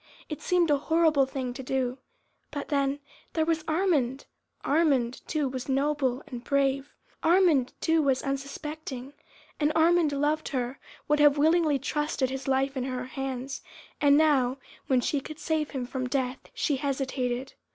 It seemed a horrible thing to do. But then, there was Armand! Armand, too, was noble and brave, Armand, too, was unsuspecting. And Armand loved her, would have willingly trusted his life in her hands, and now, when she could save him from death, she hesitated.